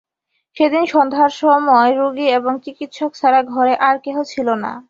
সেইদিন সন্ধ্যার সময় রোগী এবং চিকিৎক ছাড়া ঘরে আর কেহ ছিল না।